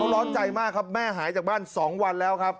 ร้อนใจมากครับแม่หายจากบ้าน๒วันแล้วครับ